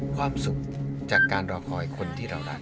ความสุขจากการรอคอยคนที่เรารัก